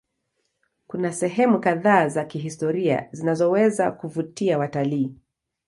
Kuna sehemu kadhaa za kihistoria zinazoweza kuvutia watalii.